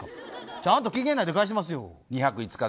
ちゃんと期限内に返してますよ。